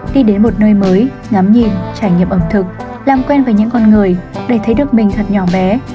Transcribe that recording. đi đến một nơi mới ngắm nhìn trải nghiệm ẩm thực làm quen với những con người để thấy được mình thật nhỏ bé